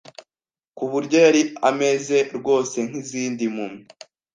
Ku buryo yari ameze rwose nkizindi mpumyi